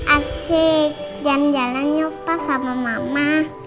asik jalan jalan yuk pak sama mama